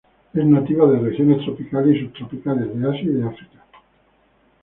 Es nativa de regiones tropical y subtropicales de Asia y de África.